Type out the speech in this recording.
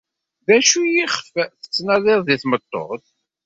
D acu iɣef tettnadiḍ deg tmeṭṭut?